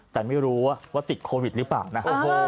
แต่ไม่รู้ว่าติดโควิดหรือเปล่านะ